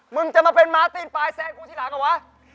มึงจะมาเป็นมาร์ทีลไฟล์แซ่งกูที่หลังหรอวะ